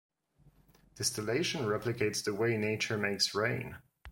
Distillation replicates the way nature makes rain.